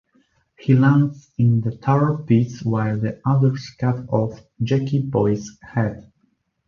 He lands in the tar pits while the others cut off Jackie Boy's head.